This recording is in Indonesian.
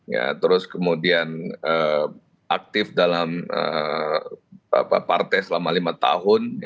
ya terus kemudian aktif dalam partai selama lima tahun